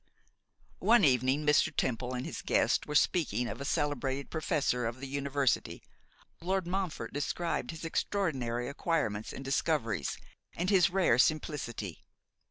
One evening Mr. Temple and his guest were speaking of a celebrated Professor of the University. Lord Montfort described his extraordinary acquirements and discoveries, and his rare simplicity.